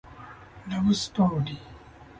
ラブストーリー